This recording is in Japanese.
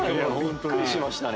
びっくりしましたね。